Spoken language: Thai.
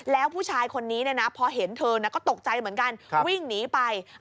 แล้วผู้ชายคนนี้พอเห็นเธอก็ตกใจเหมือนกันวิ่งหนีไป